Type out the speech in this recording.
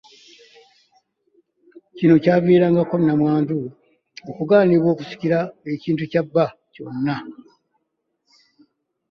Kino kyaviirangako Nnamwandu okugaanibwa okusikira ekintu kya bba kyonna.